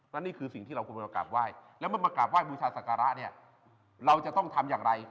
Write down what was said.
และนี่คือสิ่งที่เราควรมากราบไหว้แล้วเมื่อมากราบไห้บูชาศักระเนี่ยเราจะต้องทำอย่างไร